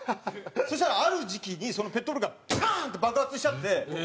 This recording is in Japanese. そしたらある時期にそのペットボトルがパーン！って爆発しちゃって。